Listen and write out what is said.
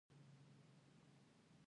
د افغانستان جلکو د افغانستان طبعي ثروت دی.